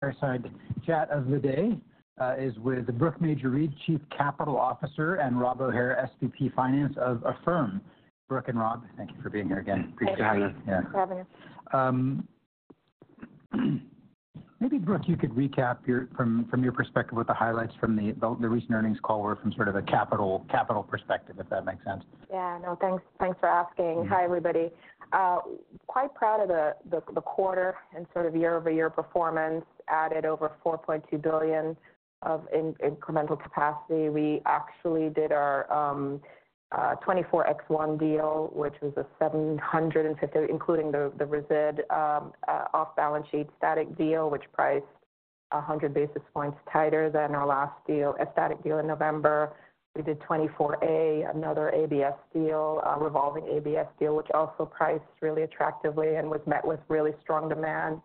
Fireside chat of the day is with Brooke Major-Reid, Chief Capital Officer, and Rob O'Hare, SVP Finance of Affirm. Brooke and Rob, thank you for being here again. Thanks for having us. Thanks for having us. Yeah. Maybe, Brooke, you could recap from your perspective, what the highlights from the recent earnings call were from sort of a capital perspective, if that makes sense. Yeah, no, thanks, thanks for asking. Hi, everybody. Quite proud of the quarter and sort of year-over-year performance, added over $4.2 billion of incremental capacity. We actually did our 2024-X1 deal, which was a $750 million, including the resid, off-balance sheet static deal, which priced 100 basis points tighter than our last deal, a static deal in November. We did 2024-A, another ABS deal, a revolving ABS deal, which also priced really attractively and was met with really strong demand.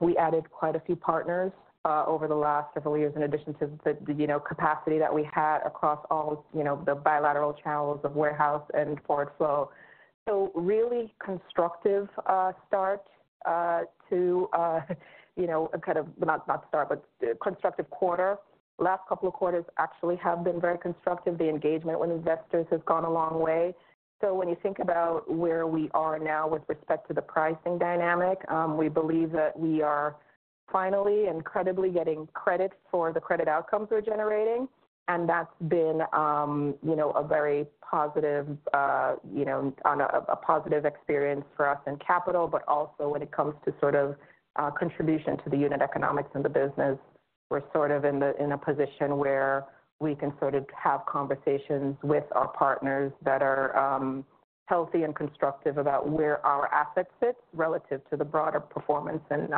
We added quite a few partners over the last several years, in addition to the, you know, capacity that we had across all, you know, the bilateral channels of warehouse and forward flow. So really constructive start to, you know, a kind of, not, not start, but constructive quarter. Last couple of quarters actually have been very constructive. The engagement with investors has gone a long way. So when you think about where we are now with respect to the pricing dynamic, we believe that we are finally incredibly getting credit for the credit outcomes we're generating. And that's been, you know, a very positive, you know, on a positive experience for us in capital, but also when it comes to sort of contribution to the unit economics in the business. We're sort of in a position where we can sort of have conversations with our partners that are healthy and constructive about where our assets fit relative to the broader performance in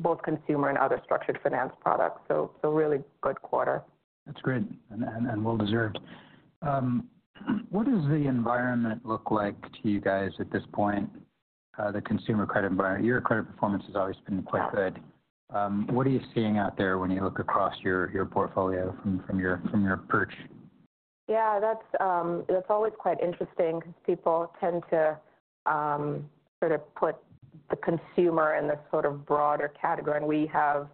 both consumer and other structured finance products. So, a really good quarter. That's great and well deserved. What does the environment look like to you guys at this point, the consumer credit environment? Your credit performance has always been quite good. What are you seeing out there when you look across your portfolio from your perch? Yeah, that's, that's always quite interesting. People tend to, sort of put the consumer in this sort of broader category, and we have,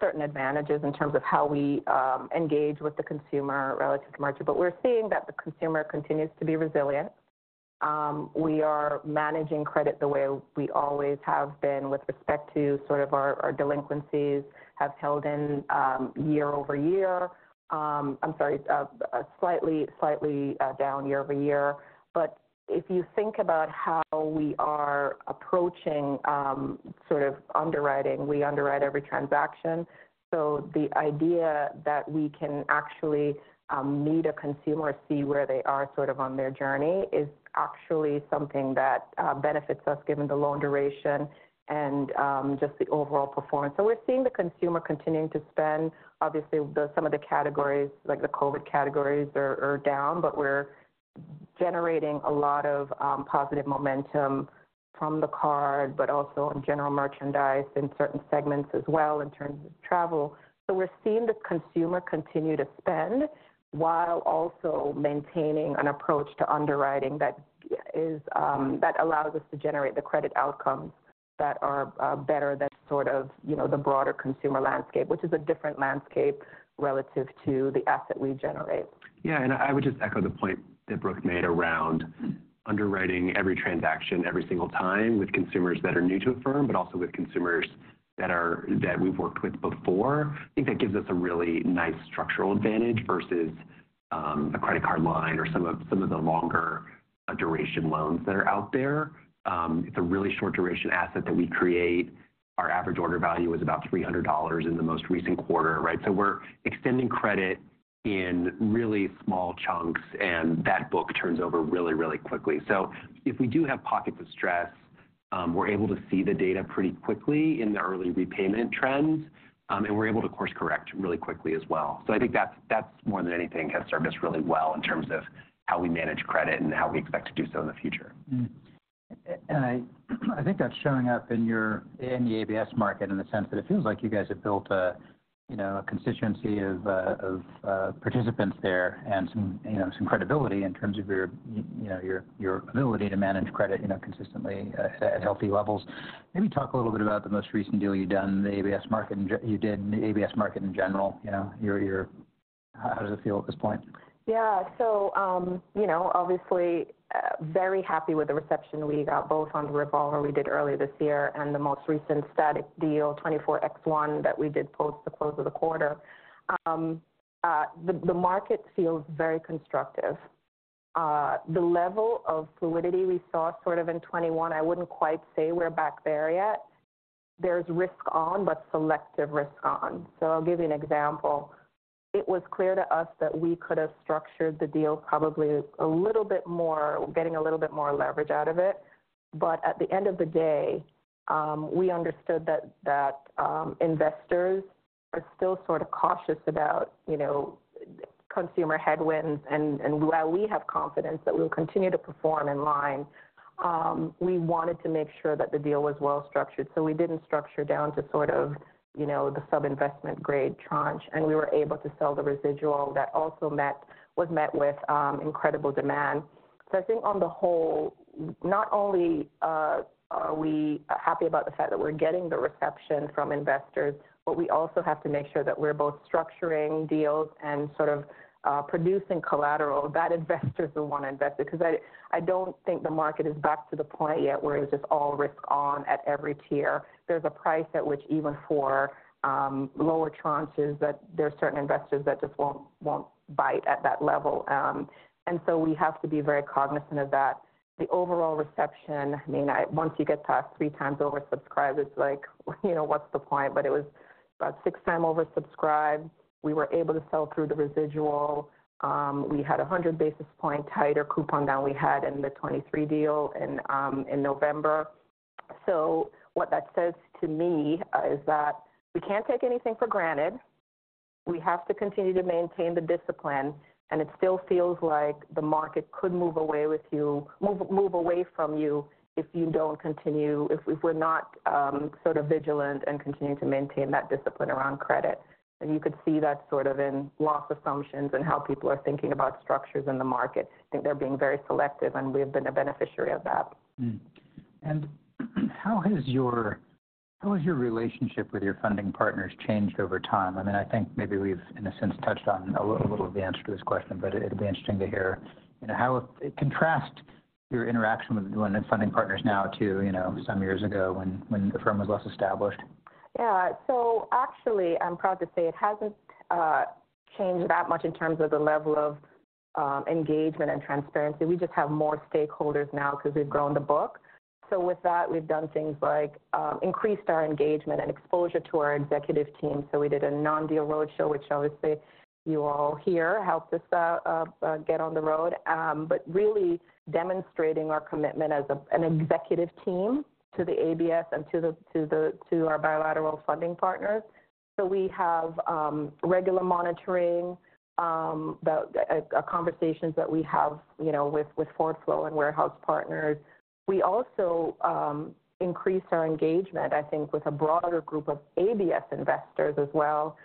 certain advantages in terms of how we, engage with the consumer relative to margin. But we're seeing that the consumer continues to be resilient. We are managing credit the way we always have been with respect to sort of our, our delinquencies have held in, year over year. I'm sorry, slightly, slightly, down year over year. But if you think about how we are approaching, sort of underwriting, we underwrite every transaction. So the idea that we can actually, meet a consumer, see where they are sort of on their journey, is actually something that, benefits us, given the loan duration and, just the overall performance. So we're seeing the consumer continuing to spend. Obviously, some of the categories, like the COVID categories are down, but we're generating a lot of positive momentum from the card, but also in general merchandise, in certain segments as well, in terms of travel. So we're seeing the consumer continue to spend while also maintaining an approach to underwriting that allows us to generate the credit outcomes that are better than sort of, you know, the broader consumer landscape, which is a different landscape relative to the asset we generate. Yeah, and I would just echo the point that Brooke made around underwriting every transaction, every single time with consumers that are new to Affirm, but also with consumers that are, that we've worked with before. I think that gives us a really nice structural advantage versus a credit card line or some of the longer duration loans that are out there. It's a really short duration asset that we create. Our average order value is about $300 in the most recent quarter, right? So we're extending credit in really small chunks, and that book turns over really, really quickly. So if we do have pockets of stress, we're able to see the data pretty quickly in the early repayment trends, and we're able to course correct really quickly as well. I think that's, that's more than anything, has served us really well in terms of how we manage credit and how we expect to do so in the future. And I think that's showing up in your in the ABS market, in the sense that it feels like you guys have built a, you know, a constituency of participants there and some, you know, some credibility in terms of your ability to manage credit, you know, consistently at healthy levels. Maybe talk a little bit about the most recent deal you've done in the ABS market in general, you know, your... How does it feel at this point? Yeah. So, you know, obviously, very happy with the reception we got, both on the revolver we did earlier this year and the most recent static deal, 24-X1, that we did post the close of the quarter. The market feels very constructive. The level of fluidity we saw sort of in 2021, I wouldn't quite say we're back there yet. There's risk on, but selective risk on. So I'll give you an example. It was clear to us that we could have structured the deal probably a little bit more, getting a little bit more leverage out of it. But at the end of the day, we understood that investors are still sort of cautious about, you know, consumer headwinds. And while we have confidence that we'll continue to perform in line, we wanted to make sure that the deal was well structured, so we didn't structure down to sort of you know, the sub-investment grade tranche, and we were able to sell the residual that also was met with incredible demand. So I think on the whole, not only are we happy about the fact that we're getting the reception from investors, but we also have to make sure that we're both structuring deals and sort of producing collateral that investors will want to invest in. Because I don't think the market is back to the point yet where it's just all risk on at every tier. There's a price at which even for lower tranches, that there are certain investors that just won't bite at that level. And so we have to be very cognizant of that. The overall reception, I mean, once you get past three times oversubscribed, it's like, you know, what's the point? But it was about six times oversubscribed. We were able to sell through the residual. We had a 100 basis point tighter coupon than we had in the 2023 deal in November. So what that says to me is that we can't take anything for granted. We have to continue to maintain the discipline, and it still feels like the market could move away with you move away from you if you don't continue. if we're not sort of vigilant and continuing to maintain that discipline around credit. And you could see that sort of in loss assumptions and how people are thinking about structures in the market. I think they're being very selective, and we've been a beneficiary of that. And how has your relationship with your funding partners changed over time? I mean, I think maybe we've, in a sense, touched on a little of the answer to this question, but it'll be interesting to hear, you know, how to contrast your interaction with funding partners now to, you know, some years ago when the firm was less established. Yeah. So actually, I'm proud to say it hasn't changed that much in terms of the level of engagement and transparency. We just have more stakeholders now because we've grown the book. So with that, we've done things like increased our engagement and exposure to our executive team. So we did a non-deal roadshow, which I would say you all here helped us out get on the road. But really demonstrating our commitment as an executive team to the ABS and to our bilateral funding partners. So we have regular monitoring about conversations that we have, you know, with forward flow and warehouse partners. We also increased our engagement, I think, with a broader group of ABS investors as well.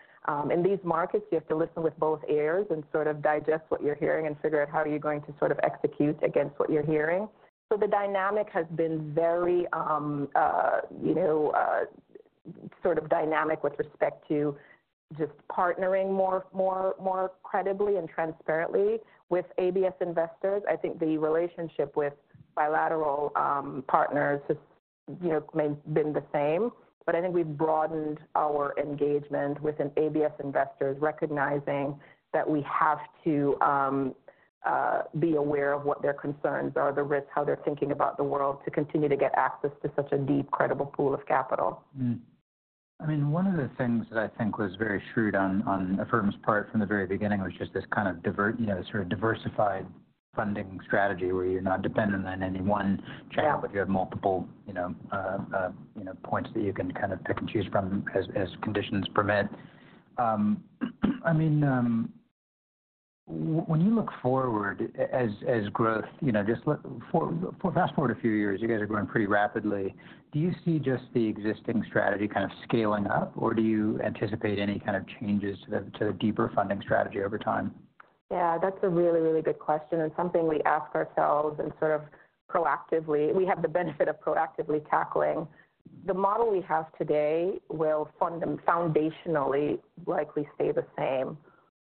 In these markets, you have to listen with both ears and sort of digest what you're hearing and figure out how are you going to sort of execute against what you're hearing. So the dynamic has been very, you know, sort of dynamic with respect to just partnering more, more, more credibly and transparently with ABS investors. I think the relationship with bilateral, partners has, you know, may have been the same. But I think we've broadened our engagement with an ABS investors, recognizing that we have to, be aware of what their concerns are, the risks, how they're thinking about the world, to continue to get access to such a deep, credible pool of capital. I mean, one of the things that I think was very shrewd on the firm's part from the very beginning was just this kind of, you know, sort of diversified funding strategy, where you're not dependent on any one channel. Yeah but you have multiple, you know, points that you can kind of pick and choose from as conditions permit. I mean, when you look forward as growth, you know, just look forward—fast forward a few years, you guys are growing pretty rapidly. Do you see just the existing strategy kind of scaling up, or do you anticipate any kind of changes to the deeper funding strategy over time? Yeah, that's a really, really good question and something we ask ourselves and sort of proactively. We have the benefit of proactively tackling. The model we have today will foundationally likely stay the same.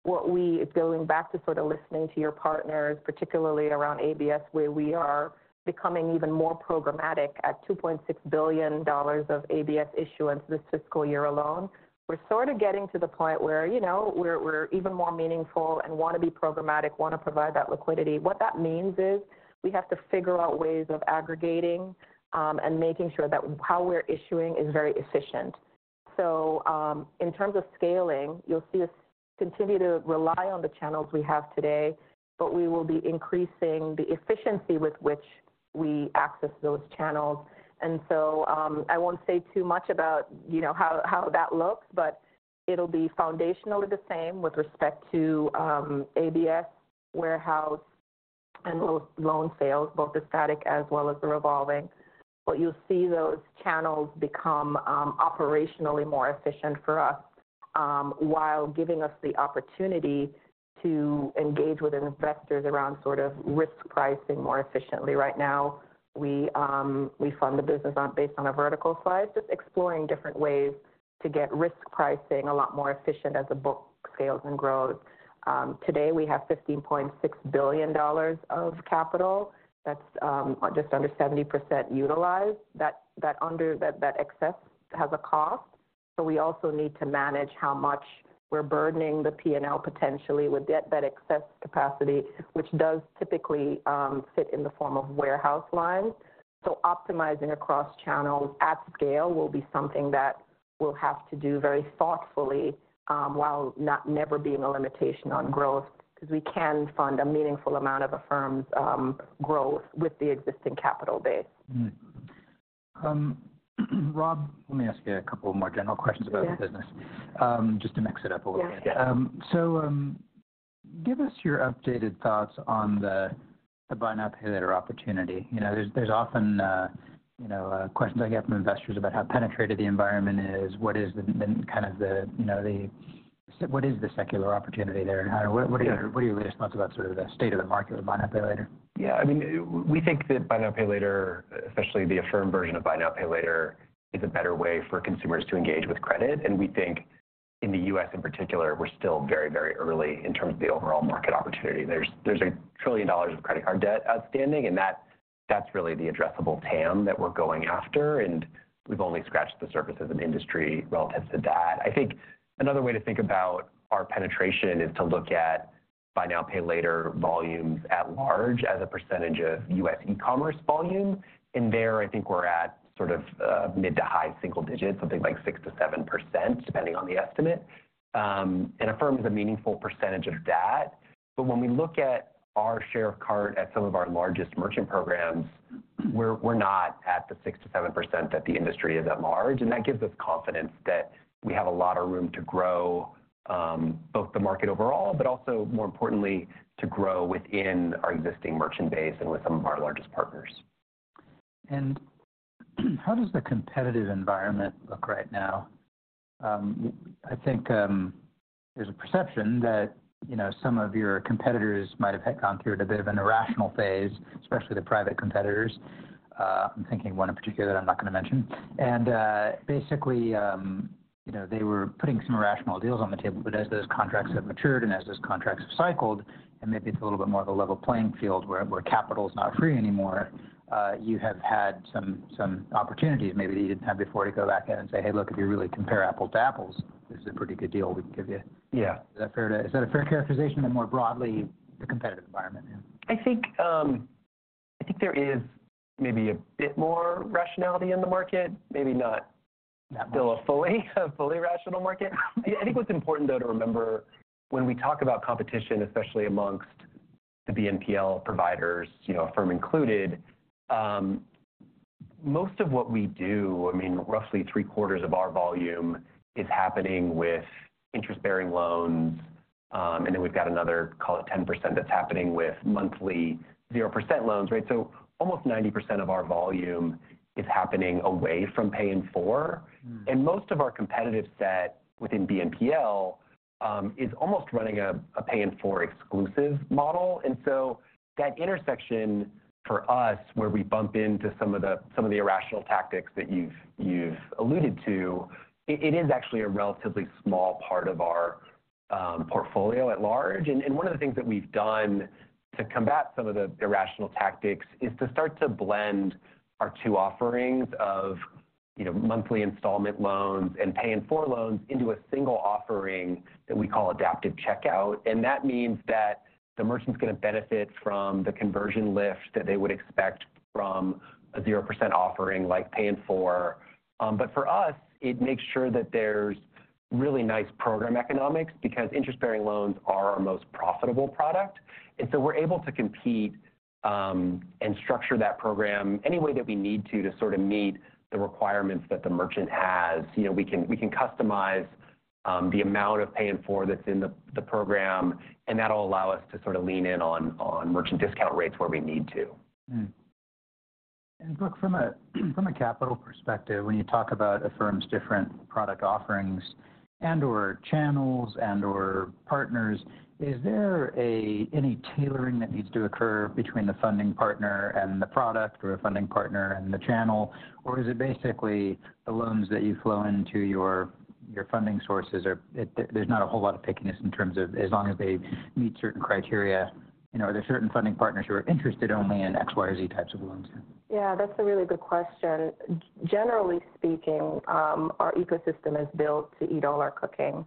What we, going back to sort of listening to your partners, particularly around ABS, where we are becoming even more programmatic at $2.6 billion of ABS issuance this fiscal year alone, we're sort of getting to the point where, you know, we're even more meaningful and want to be programmatic, want to provide that liquidity. What that means is, we have to figure out ways of aggregating and making sure that how we're issuing is very efficient. So, in terms of scaling, you'll see us continue to rely on the channels we have today, but we will be increasing the efficiency with which we access those channels. I won't say too much about, you know, how, how that looks, but it'll be foundationally the same with respect to ABS, warehouse, and loan sales, both the static as well as the revolving. But you'll see those channels become operationally more efficient for us while giving us the opportunity to engage with investors around sort of risk pricing more efficiently. Right now, we fund the business based on a vertical slice, just exploring different ways to get risk pricing a lot more efficient as the book scales and grows. Today, we have $15.6 billion of capital. That's just under 70% utilized. That excess has a cost, so we also need to manage how much we're burdening the P&L potentially with that excess capacity, which does typically fit in the form of warehouse lines. So optimizing across channels at scale will be something that we'll have to do very thoughtfully, while not never being a limitation on growth because we can fund a meaningful amount of Affirm's growth with the existing capital base. Rob, let me ask you a couple of more general questions about the business, just to mix it up a little bit. Yeah. Give us your updated thoughts on the buy now, pay later opportunity. You know, there's often a question I get from investors about how penetrated the environment is, what is the kind of, you know, so what is the secular opportunity there? And what are your latest thoughts about sort of the state of the market with buy now, pay later? Yeah, I mean, we think that buy now, pay later, especially the Affirm version of buy now, pay later, is a better way for consumers to engage with credit. And we think in the U.S., in particular, we're still very, very early in terms of the overall market opportunity. There's a $1 trillion of credit card debt outstanding, and that's really the addressable TAM that we're going after, and we've only scratched the surface as an industry relative to that. I think another way to think about our penetration is to look at buy now, pay later volumes at large, as a percentage of U.S. e-commerce volume. And there, I think we're at sort of mid to high single digits, something like 6%-7%, depending on the estimate. And Affirm is a meaningful percentage of that. But when we look at our share of cart at some of our largest merchant programs, we're not at the 6%-7% that the industry is at large, and that gives us confidence that we have a lot of room to grow both the market overall, but also, more importantly, to grow within our existing merchant base and with some of our largest partners. And how does the competitive environment look right now? I think there's a perception that, you know, some of your competitors might have had gone through a bit of an irrational phase, especially the private competitors. I'm thinking one in particular that I'm not going to mention. And, basically, you know, they were putting some irrational deals on the table. But as those contracts have matured, and as those contracts have cycled, and maybe it's a little bit more of a level playing field where capital is not free anymore, you have had some opportunities maybe that you didn't have before, to go back in and say, "Hey, look, if you really compare apples to apples, this is a pretty good deal we can give you. Yeah. Is that a fair characterization, and more broadly, the competitive environment? I think, I think there is maybe a bit more rationality in the market, maybe not- That much. still a fully rational market. I think what's important, though, to remember when we talk about competition, especially amongst the BNPL providers, you know, Affirm included, most of what we do, I mean, roughly three-quarters of our volume is happening with interest-bearing loans. And then we've got another, call it 10%, that's happening with monthly 0% loans, right? So almost 90% of our volume is happening away from Pay in 4. And most of our competitive set within BNPL is almost running a Pay in 4 exclusive model. And so that intersection for us, where we bump into some of the irrational tactics that you've alluded to, it is actually a relatively small part of our portfolio at large. And one of the things that we've done to combat some of the irrational tactics is to start to blend our two offerings of, you know, monthly installment loans and Pay in 4 loans into a single offering that we call Adaptive Checkout. And that means that the merchant's going to benefit from the conversion lift that they would expect from a 0% offering, like Pay in 4. But for us, it makes sure that there's really nice program economics, because interest-bearing loans are our most profitable product. So we're able to compete, and structure that program any way that we need to, to sort of meet the requirements that the merchant has. You know, we can, we can customize, the amount of Pay in 4 that's in the program, and that'll allow us to sort of lean in on merchant discount rates where we need to. Look, from a capital perspective, when you talk about Affirm's different product offerings and/or channels and/or partners, is there any tailoring that needs to occur between the funding partner and the product, or a funding partner and the channel? Or is it basically the loans that you flow into your funding sources? There's not a whole lot of pickiness in terms of as long as they meet certain criteria. You know, are there certain funding partners who are interested only in X, Y, or Z types of loans? Yeah, that's a really good question. Generally speaking, our ecosystem is built to eat all our cooking.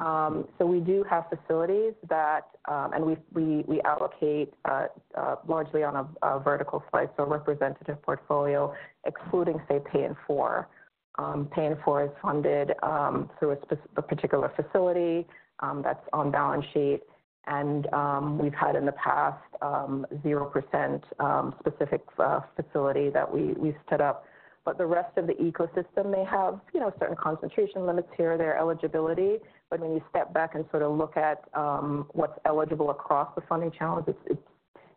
So we do have facilities that and we allocate largely on a vertical slice, a representative portfolio, excluding, say, Pay in 4. Pay in 4 is funded through a particular facility that's on balance sheet, and we've had in the past 0% specific facility that we've set up. But the rest of the ecosystem may have, you know, certain concentration limits to their eligibility. But when you step back and sort of look at what's eligible across the funding challenge,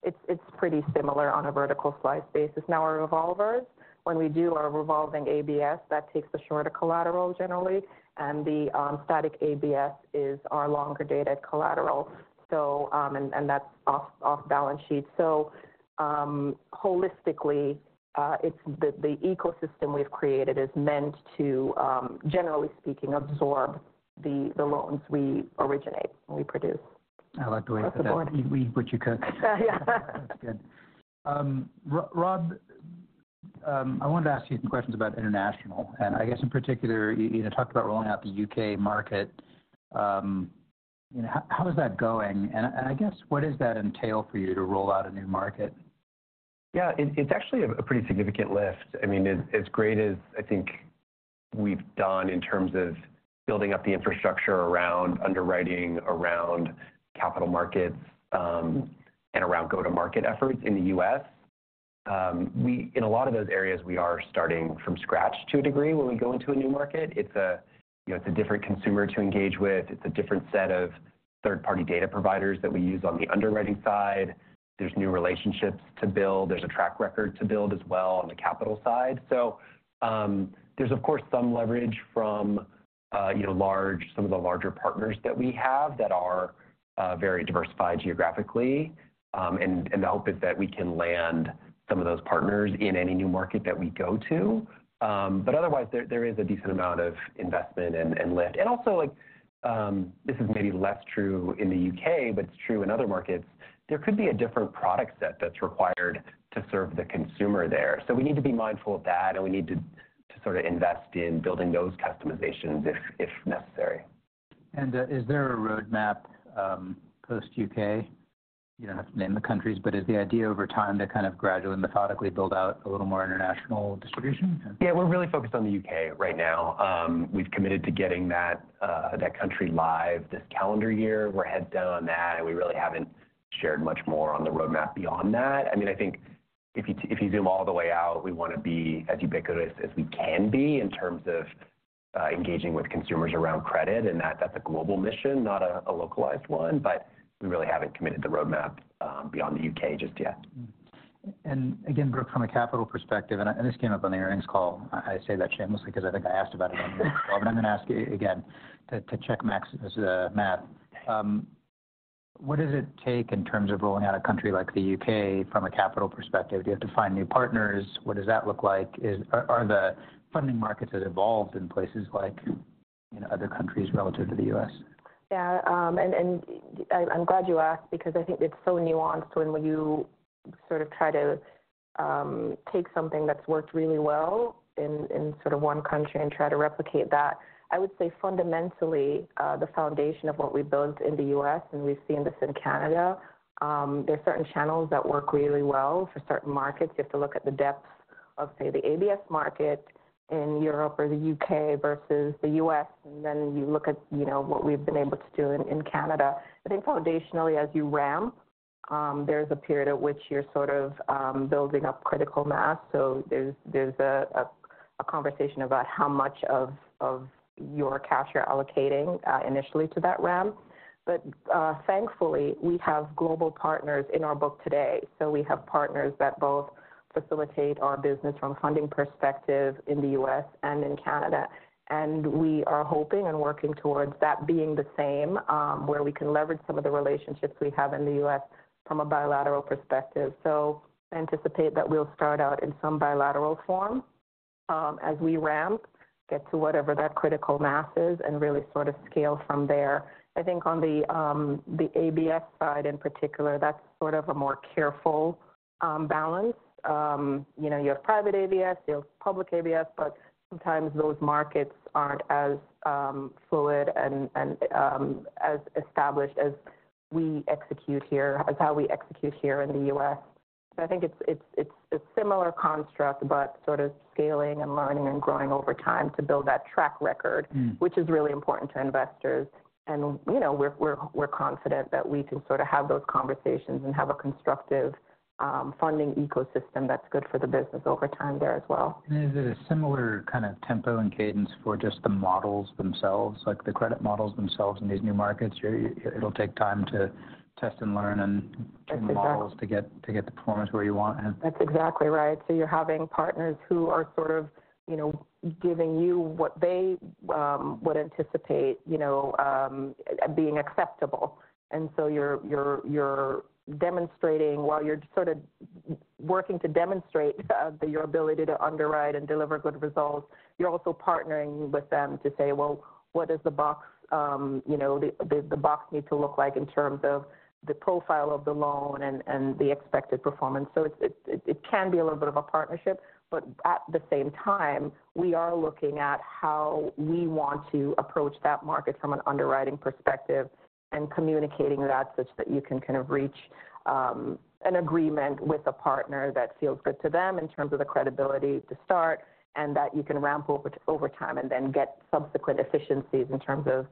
it's pretty similar on a vertical slice basis. Now, our revolvers, when we do our revolving ABS, that takes the shorter collateral generally, and the static ABS is our longer dated collateral. So, and that's off balance sheet. So, holistically, it's the ecosystem we've created is meant to, generally speaking, absorb the loans we originate, we produce. I like the way you put that. That's the point. Eat what you cook. Yeah. That's good. Rob, I wanted to ask you some questions about international, and I guess in particular, you know, talked about rolling out the UK market. How is that going? And I guess what does that entail for you to roll out a new market? Yeah, it's actually a pretty significant lift. I mean, as great as I think we've done in terms of building up the infrastructure around underwriting, around capital markets, and around go-to-market efforts in the US, we, in a lot of those areas, we are starting from scratch to a degree when we go into a new market. It's, you know, a different consumer to engage with, it's a different set of third-party data providers that we use on the underwriting side. There's new relationships to build, there's a track record to build as well on the capital side. So, there's of course some leverage from, you know, some of the larger partners that we have that are very diversified geographically. The hope is that we can land some of those partners in any new market that we go to. But otherwise, there is a decent amount of investment and lift. And also, like, this is maybe less true in the UK, but it's true in other markets, there could be a different product set that's required to serve the consumer there. So we need to be mindful of that, and we need to sort of invest in building those customizations if necessary. And, is there a roadmap, post-UK? You don't have to name the countries, but is the idea over time to kind of gradually, methodically build out a little more international distribution? Yeah, we're really focused on the UK right now. We've committed to getting that, that country live this calendar year. We're heads down on that, and we really haven't shared much more on the roadmap beyond that. I mean, I think if you, if you zoom all the way out, we wanna be as ubiquitous as we can be in terms of, engaging with consumers around credit, and that, that's a global mission, not a localized one, but we really haven't committed the roadmap, beyond the UK just yet. And again, Brooke, from a capital perspective, and this came up on the earnings call. I say that shamelessly because I think I asked about it on the call, but I'm gonna ask you again to check my math. What does it take in terms of rolling out a country like the U.K. from a capital perspective? Do you have to find new partners? What does that look like? Are the funding markets as evolved in places like in other countries relative to the U.S.? Yeah, and I'm glad you asked because I think it's so nuanced when you sort of try to take something that's worked really well in sort of one country and try to replicate that. I would say fundamentally, the foundation of what we built in the US, and we've seen this in Canada, there are certain channels that work really well for certain markets. You have to look at the depth of, say, the ABS market in Europe or the UK versus the US, and then you look at, you know, what we've been able to do in Canada. I think foundationally, as you ramp, there's a period at which you're sort of building up critical mass. So there's a conversation about how much of your cash you're allocating initially to that ramp. But, thankfully, we have global partners in our book today. So we have partners that both facilitate our business from a funding perspective in the US and in Canada. And we are hoping and working towards that being the same, where we can leverage some of the relationships we have in the US from a bilateral perspective. So I anticipate that we'll start out in some bilateral form as we ramp, get to whatever that critical mass is and really sort of scale from there. I think on the, the ABS side, in particular, that's sort of a more careful, balance. You know, you have private ABS, you have public ABS, but sometimes those markets aren't as, fluid and, as established as we execute here as how we execute here in the US. So I think it's a similar construct, but sort of scaling and learning and growing over time to build that track record which is really important to investors. And, you know, we're confident that we can sort of have those conversations and have a constructive funding ecosystem that's good for the business over time there as well. Is it a similar kind of tempo and cadence for just the models themselves, like the credit models themselves in these new markets? It'll take time to test and learn and That's exactly models to get the performance where you want and That's exactly right. So you're having partners who are sort of, you know, giving you what they would anticipate, you know, being acceptable. And so you're demonstrating... While you're sort of working to demonstrate your ability to underwrite and deliver good results, you're also partnering with them to say, "Well, what does the box, you know, the box need to look like in terms of the profile of the loan and the expected performance?" So it can be a little bit of a partnership, but at the same time, we are looking at how we want to approach that market from an underwriting perspective and communicating that, such that you can kind of reach an agreement with a partner that feels good to them in terms of the credibility to start, and that you can ramp over time, and then get subsequent efficiencies in terms of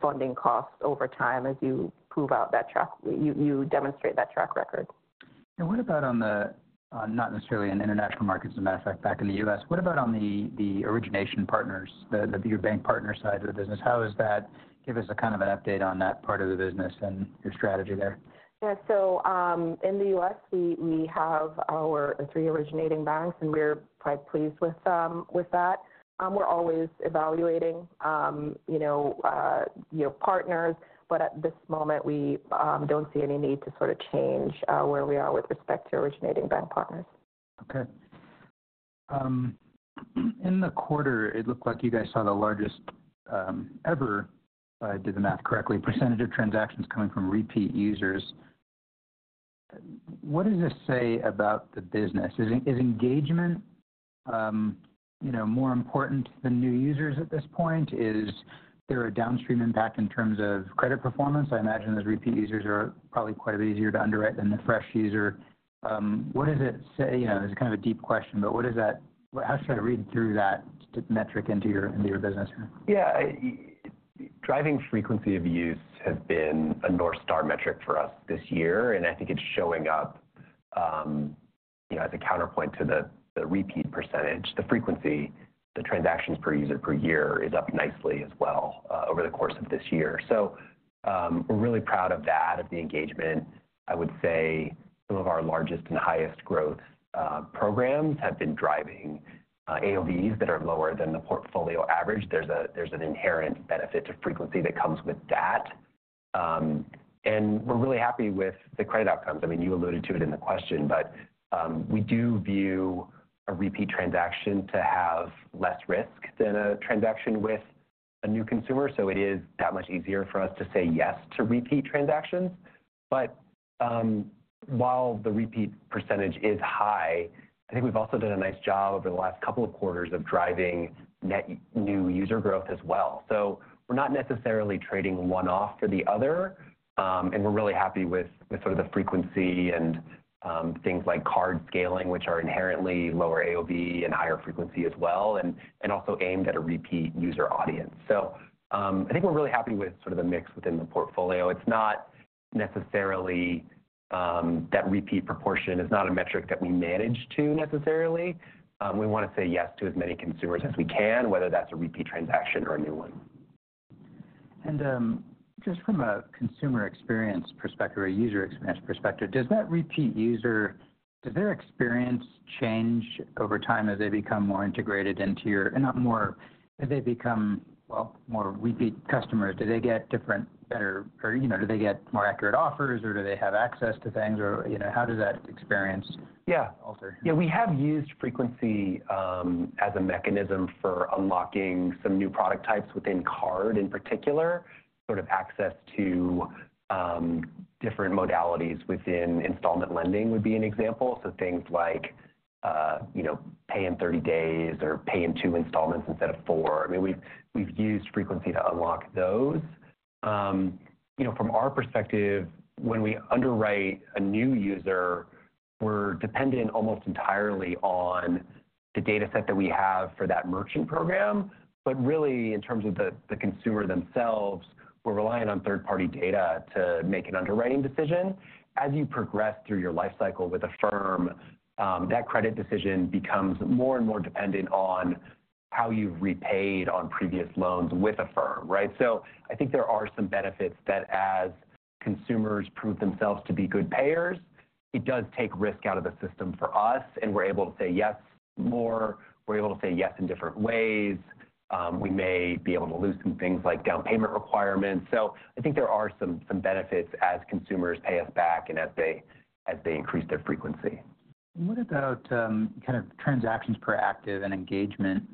funding costs over time as you prove out that track you demonstrate that track record. What about on the, not necessarily in international markets, as a matter of fact, back in the U.S., what about on the origination partners, the bank partner side of the business? How is that? Give us a kind of an update on that part of the business and your strategy there. Yeah. So, in the U.S., we have our three originating banks, and we're quite pleased with that. We're always evaluating, you know, your partners, but at this moment, we don't see any need to sort of change where we are with respect to originating bank partners. Okay. In the quarter, it looked like you guys saw the largest ever, if I did the math correctly, percentage of transactions coming from repeat users. What does this say about the business? Is engagement, you know, more important than new users at this point? Is there a downstream impact in terms of credit performance? I imagine those repeat users are probably quite a bit easier to underwrite than the fresh user. What does it say? You know, this is kind of a deep question, but what does that, how should I read through that, the metric into your, into your business? Yeah, Driving frequency of use has been a North Star metric for us this year, and I think it's showing up, you know, as a counterpoint to the, the repeat percentage. The frequency, the transactions per user per year is up nicely as well, over the course of this year. So, we're really proud of that, of the engagement. I would say some of our largest and highest growth programs have been driving AOV that are lower than the portfolio average. There's a, there's an inherent benefit to frequency that comes with that. And we're really happy with the credit outcomes. I mean, you alluded to it in the question, but we do view a repeat transaction to have less risk than a transaction with a new consumer, so it is that much easier for us to say yes to repeat transactions. But while the repeat percentage is high, I think we've also done a nice job over the last couple of quarters of driving net new user growth as well. So we're not necessarily trading one off for the other, and we're really happy with sort of the frequency and things like card scaling, which are inherently lower AOV and higher frequency as well, and also aimed at a repeat user audience. So I think we're really happy with sort of the mix within the portfolio. It's not necessarily... That repeat proportion is not a metric that we manage to necessarily. We wanna say yes to as many consumers as we can, whether that's a repeat transaction or a new one. And, just from a consumer experience perspective or a user experience perspective, does that repeat user, does their experience change over time as they become more integrated into your... And not more, as they become, well, more repeat customers, do they get different, better or, you know, do they get more accurate offers, or do they have access to things? Or, you know, how does that experience? Yeah. alter? Yeah, we have used frequency as a mechanism for unlocking some new product types within card, in particular, sort of access to different modalities within installment lending would be an example. So things like, you know, pay in 30 days or pay in 2 installments instead of 4. I mean, we've used frequency to unlock those. From our perspective, when we underwrite a new user, we're dependent almost entirely on the data set that we have for that merchant program. But really, in terms of the consumer themselves, we're relying on third-party data to make an underwriting decision. As you progress through your life cycle with Affirm, that credit decision becomes more and more dependent on how you've repaid on previous loans with Affirm, right? So I think there are some benefits that as consumers prove themselves to be good payers, it does take risk out of the system for us, and we're able to say yes more. We're able to say yes in different ways. We may be able to lose some things like down payment requirements. So I think there are some, some benefits as consumers pay us back and as they, as they increase their frequency. What about kind of transactions per active and engagement?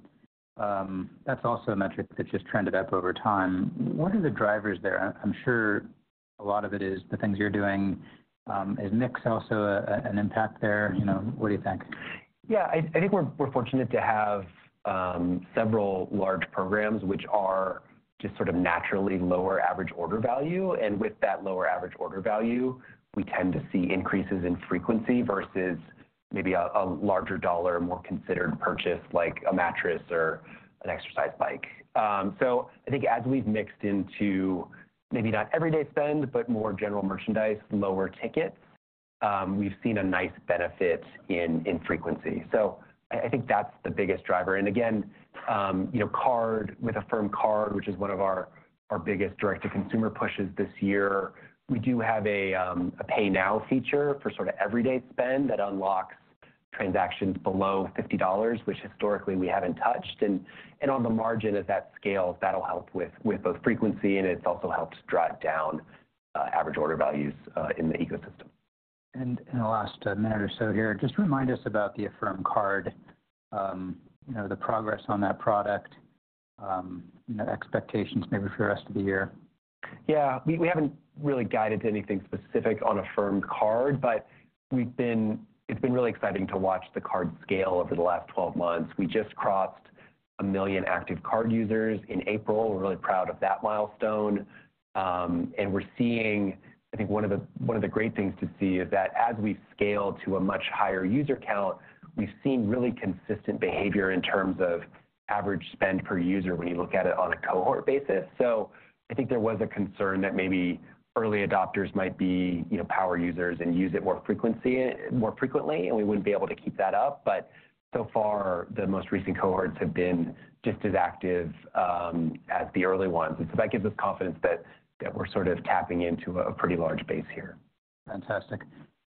That's also a metric that's just trended up over time. What are the drivers there? I'm sure a lot of it is the things you're doing. Is mix also an impact there? You know, what do you think? Yeah, I think we're fortunate to have several large programs which are just sort of naturally lower average order value, and with that lower average order value, we tend to see increases in frequency versus maybe a larger dollar, more considered purchase, like a mattress or an exercise bike. So I think as we've mixed into maybe not everyday spend, but more general merchandise, lower tickets, we've seen a nice benefit in frequency. So I think that's the biggest driver. And again, you know, card with Affirm Card, which is one of our biggest direct-to-consumer pushes this year, we do have a Pay Now feature for sort of everyday spend that unlocks transactions below $50, which historically we haven't touched. On the margin at that scale, that'll help with both frequency, and it's also helped drive down average order values in the ecosystem. In the last minute or so here, just remind us about the Affirm Card, you know, the progress on that product, you know, expectations maybe for the rest of the year. Yeah. We, we haven't really guided to anything specific on Affirm Card, but we've been it's been really exciting to watch the card scale over the last 12 months. We just crossed 1 million active card users in April. We're really proud of that milestone. And we're seeing I think one of the, one of the great things to see is that as we've scaled to a much higher user count, we've seen really consistent behavior in terms of average spend per user when you look at it on a cohort basis. So I think there was a concern that maybe early adopters might be, you know, power users and use it more frequently, and we wouldn't be able to keep that up. But so far, the most recent cohorts have been just as active as the early ones. So that gives us confidence that we're sort of tapping into a pretty large base here. Fantastic.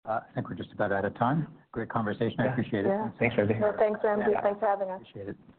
I think we're just about out of time. Great conversation. Yeah. I appreciate it. Thanks, everybody. Well, thanks, Andy. Thanks for having us. Appreciate it.